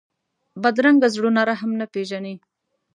بدرنګه زړونه رحم نه پېژني